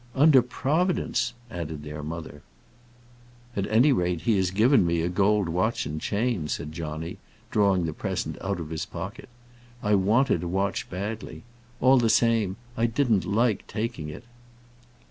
"Under Providence," added their mother. "At any rate, he has given me a gold watch and chain," said Johnny, drawing the present out of his pocket. "I wanted a watch badly. All the same, I didn't like taking it."